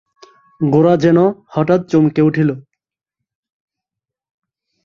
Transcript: গোরা যেন হঠাৎ চমকিয়া উঠিল।